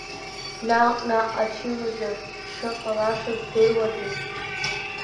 Наҟ-наҟ ачымазаҩ дшыҟалашаз здыруадаз.